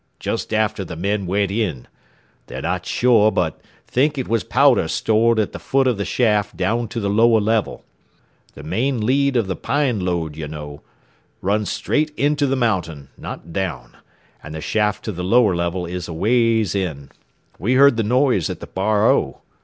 Just after the men went in. They're not sure, but think it was powder stored at the foot of the shaft down to the lower level. The main lead of the Pine Lode, you know, runs straight into the mountain, not down; and the shaft to the lower level is a ways in. We heard the noise at the Bar O.